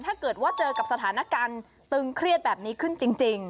ถ้าเกิดว่าเจอกับสถานการณ์ตึงเครียดแบบนี้ขึ้นจริง